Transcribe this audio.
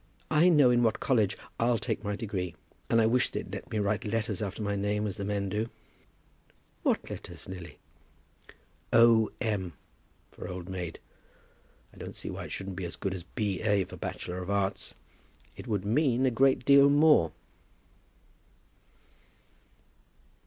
I know in what college I'll take my degree, and I wish they'd let me write the letters after my name as the men do." "What letters, Lily?" "O.M., for Old Maid. I don't see why it shouldn't be as good as B.A. for Bachelor of Arts. It would mean a great deal more."